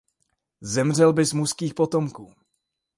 Zemřel bez mužských potomků.